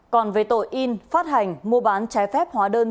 còn về tội in phát hành mua bán trái phép hóa đơn